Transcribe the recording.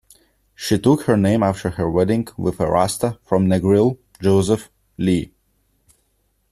She took her name after her wedding with a rasta from Negril, Joseph Lee.